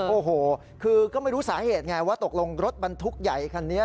โอ้โหคือก็ไม่รู้สาเหตุไงว่าตกลงรถบรรทุกใหญ่คันนี้